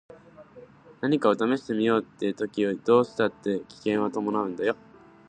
何かを試してみようって時どうしたって危険は伴うんだよ。